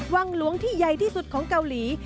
วังหลวงที่ใหญ่ที่สุดของเกาหลี